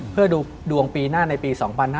เพื่อดูดวงปีหน้าในปี๒๕๕๙